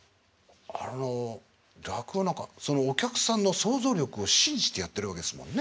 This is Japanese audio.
あの落語なんかそのお客さんの想像力を信じてやってるわけですもんね？